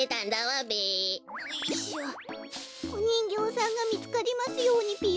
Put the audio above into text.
おにんぎょうさんがみつかりますようにぴよ。